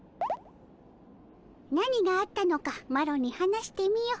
何があったのかマロに話してみよ。